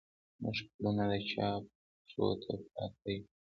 موږه پلونه د چا، چا پښو ته پراته يو